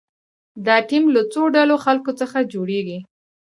دا ټیم له څو ډوله خلکو څخه جوړیږي.